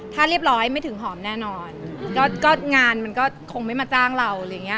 ถ้าเรียบร้อยไม่ถึงหอมแน่นอนก็งานมันก็คงไม่มาจ้างเรา